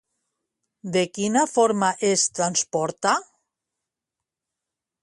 De quina forma es transporta?